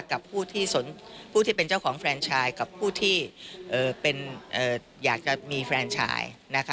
กับผู้ที่เป็นเจ้าของแฟนชายกับผู้ที่อยากจะมีแฟนชายนะคะ